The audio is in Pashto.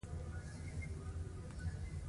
هغه وایي چې زموږ کلی ډېر ښایسته ده